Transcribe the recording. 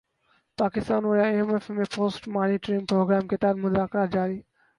پاکستان اور I M F میں post monitoring programme کے تحت مذاکرات جاری